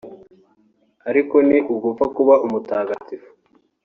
Ariko ni ugupfa kuba umutagagifu